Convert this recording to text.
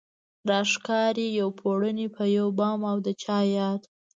راښکاري يو پړونی په يو بام او د چا ياد